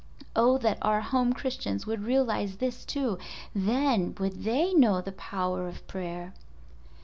(Oh, that our home Christians would realize this too, then would they know the power of prayer).